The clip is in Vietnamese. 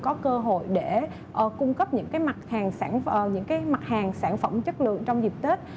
giúp cho các nhà bán hàng địa phương có cơ hội để cung cấp những mặt hàng sản phẩm chất lượng trong dịp tết